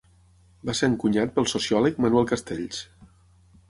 Va ser encunyat pel sociòleg Manuel Castells.